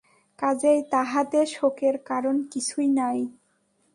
কাজেই তাহাতে শোকের কারণ কিছুই নাই।